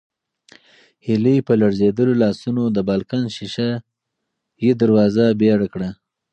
هیلې په لړزېدلو لاسونو د بالکن شیشه یي دروازه بېره کړه.